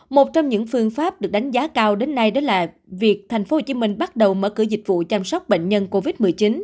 một trong những phương pháp được đánh giá cao đến nay đó là việc tp hcm bắt đầu mở cửa dịch vụ chăm sóc bệnh nhân covid một mươi chín